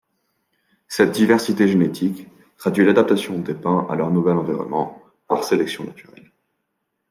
Cette diversité génétique traduit l'adaptation des pins à leur nouvel environnement, par sélection naturelle.